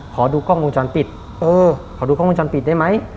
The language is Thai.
ขอดูกล้องวงจรปิดเออขอดูกล้องวงจรปิดได้ไหม